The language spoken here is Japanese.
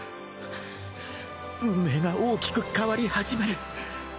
ハァ運命が大きく変わり始める。